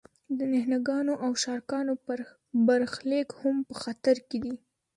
د نهنګانو او شارکانو برخلیک هم په خطر کې دی.